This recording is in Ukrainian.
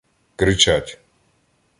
Кричать: